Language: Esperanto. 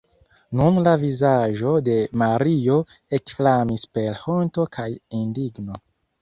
Nun la vizaĝo de Mario ekflamis per honto kaj indigno.